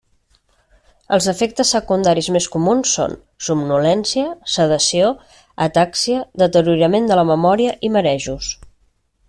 Els efectes secundaris més comuns són: somnolència, sedació, atàxia, deteriorament de la memòria i marejos.